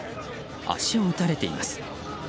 足を撃たれています。